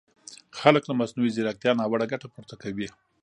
خلک له مصنوعي ځیرکیتا ناوړه ګټه پورته کوي!